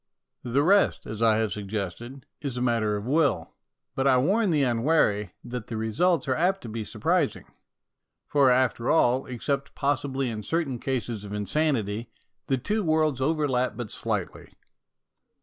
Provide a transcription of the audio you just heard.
The rest, as I have suggested, is a matter of will, but I warn the unwary that the results are apt to be surprising. For, after all, except possibly in certain cases of insanity, the two worlds overlap but DREAMING AS AN ART 37 slightly.